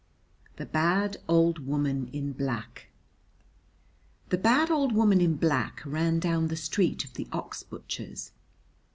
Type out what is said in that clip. The Bad Old Woman in Black The bad old woman in black ran down the street of the ox butchers.